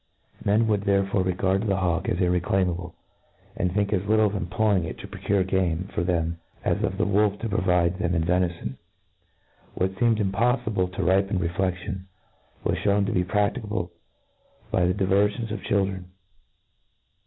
Men would therefoi;e regard the hawk as irreclaimable, and think as little of employing it to procure game, for them, as of the wolf to pro vide them in venifon. What feemed impoffible to ripened refledion, was fliown.'to be praQicable by the divcrfions of children.